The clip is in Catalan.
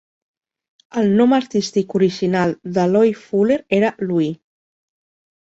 El nom artístic original de Loie Fuller era "Louie".